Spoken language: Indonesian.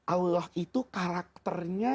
allah itu karakternya